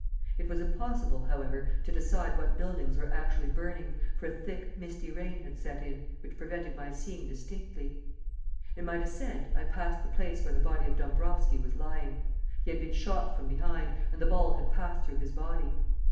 It was impossible, however, to decide what buildings were actually burning, for a thick, misty rain had set in, which prevented my seeing distinctly. In my descent I passed the place where the body of Dombrowski was lying. He had been shot from behind, and the ball had passed through his body.